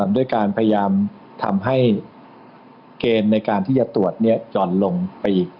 ด้วยการพยายามทำให้เกณฑ์ในการที่จะตรวจหย่อนลงไปอีก